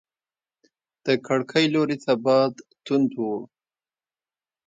د کړکۍ لوري ته باد تونده و.